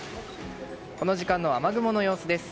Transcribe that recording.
この時間の雨雲の様子です。